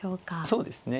そうですね。